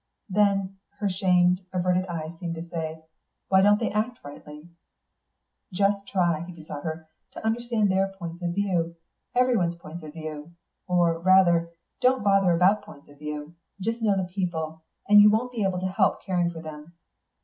"Then," her shamed, averted eyes seemed to say, "why don't they act rightly?" "Just try," he besought her, "to understand their points of view everyone's point of view. Or rather, don't bother about points of view; just know the people, and you won't be able to help caring for them.